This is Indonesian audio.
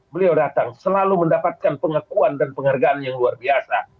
beliau datang selalu mendapatkan pengakuan dan penghargaan yang luar biasa